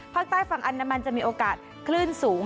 ภาคใต้ฝั่งอันดามันจะมีโอกาสคลื่นสูง